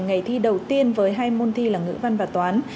ngày thi đầu tiên với hai môn thi là ngữ văn và toán